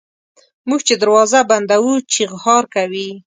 موږ چي دروازه بندوو چیغهار کوي.